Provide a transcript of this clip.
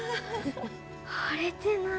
割れてない。